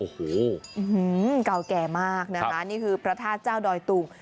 โอ้โหเก่าแก่มากนะคะนี่คือพระธาตุเจ้าดอยตุง